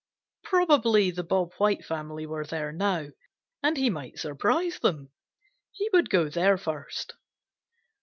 Probably the Bob White family were there now, and he might surprise them. He would go there first.